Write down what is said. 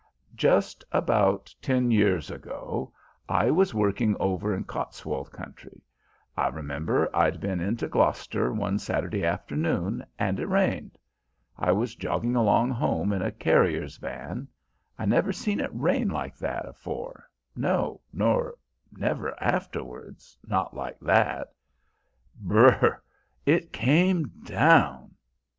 "Just about ten years ago I was working over in Cotswold country. I remember I'd been into Gloucester one Saturday afternoon and it rained. I was jogging along home in a carrier's van; I never seen it rain like that afore, no, nor never afterwards, not like that. B r r r r! it came down